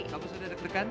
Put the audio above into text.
kamu sudah deg degan